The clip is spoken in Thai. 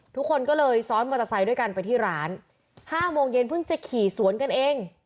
ทุกคนก็เลยซ้อนมอเตอร์ไซค์ด้วยกันไปที่ร้าน๕โมงเย็นเพิ่งจะขี่สวนกันเอง